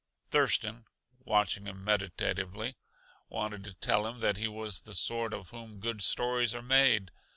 Thurston, watching him meditatively, wanted to tell him that he was the sort of whom good stories are made.